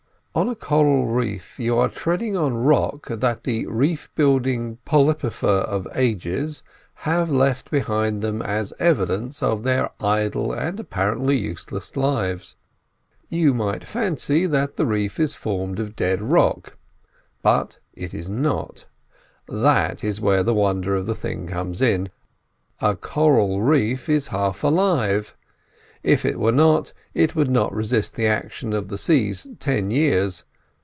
On a coral reef you are treading on rock that the reef building polypifers of ages have left behind them as evidences of their idle and apparently useless lives. You might fancy that the reef is formed of dead rock, but it is not: that is where the wonder of the thing comes in—a coral reef is half alive. If it were not, it would not resist the action of the sea ten years.